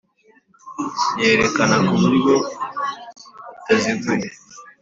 yerekana ku buryo butaziguye